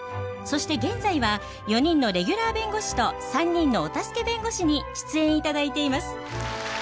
そして現在は４人のレギュラー弁護士と３人のお助け弁護士に出演頂いています。